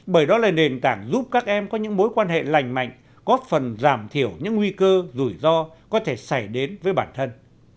bởi đó là nền tảng giúp các em có những mối quan hệ lành mạnh góp phần giảm thiểu những nguy cơ rủi ro có thể xảy đến với bản thân